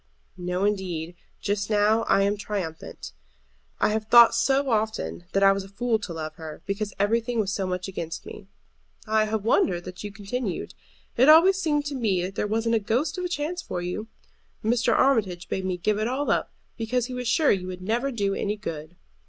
"No, indeed; just now I am triumphant. I have thought so often that I was a fool to love her, because everything was so much against me." "I have wondered that you continued. It always seemed to me that there wasn't a ghost of a chance for you. Mr. Armitage bade me give it all up, because he was sure you would never do any good."